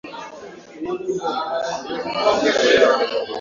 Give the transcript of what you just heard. Kihindi na Kiarabu inatumia ala za udi fidla filimbi na ngoma Kwa kiasi kikubwa